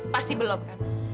pasti belum kan